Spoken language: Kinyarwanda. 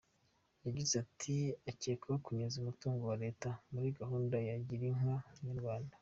Yagize ati “Arakekwaho kunyereza umutungo wa Leta muri gahunda ya Gira inka Munyarwanda.